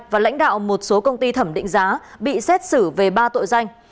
và lãnh đạo một số công ty thẩm định giá bị xét xử về ba tội danh